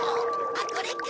あっこれか。